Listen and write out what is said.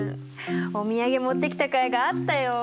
お土産持ってきたかいがあったよ！